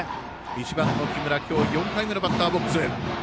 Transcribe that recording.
１番、木村、今日４回目のバッターボックス。